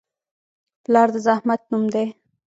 پلار د زحمت نوم دی.